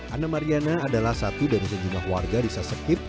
ana mariana adalah satu dari sejumlah warga di sasetip